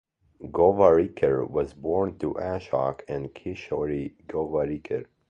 Gowariker was born to Ashok and Kishori Gowariker.